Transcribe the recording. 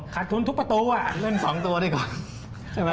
ขาดทุนทุกประตูอ่ะเลื่อน๒ตัวดีกว่า